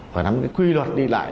phải nắm cái quy luật đi lại